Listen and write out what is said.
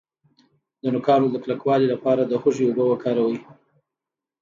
د نوکانو د کلکوالي لپاره د هوږې اوبه وکاروئ